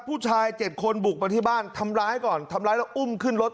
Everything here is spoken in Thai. ผู้ชาย๗คนบุกมาที่บ้านทำร้ายก่อนทำร้ายแล้วอุ้มขึ้นรถ